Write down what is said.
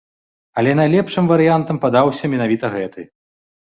Але найлепшым варыянтам падаўся менавіта гэты.